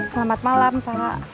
selamat malam pak